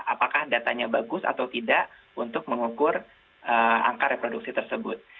apakah datanya bagus atau tidak untuk mengukur angka reproduksi tersebut